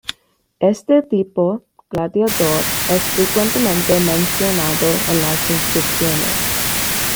Este tipo gladiador es frecuentemente mencionado en las inscripciones.